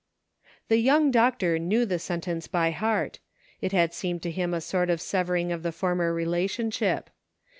The young doctor knew the sentence by heart ; it had seemed to him a sort of severing of the former relationship.